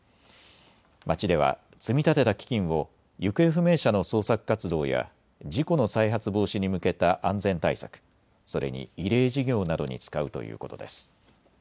町では積み立てた基金を行方不明者の捜索活動や事故の再発防止に向けた安全対策、それに慰霊事業などに使うということです。